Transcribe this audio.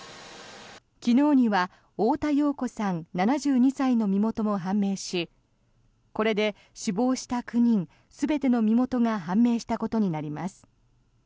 昨日には太田洋子さん、７２歳の身元も判明しこれで死亡した９人全ての身元が判明したことになります。